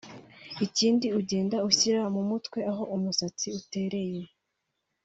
ikindi ugende ushyira mu mutwe aho umusatsi utereye